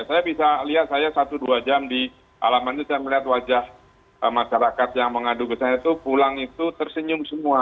saya bisa lihat saya satu dua jam di alaman itu saya melihat wajah masyarakat yang mengadu ke saya itu pulang itu tersenyum semua